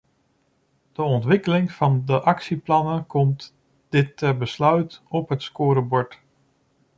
De ontwikkeling van de actieplannen komt, dit ter besluit, op het scorebord.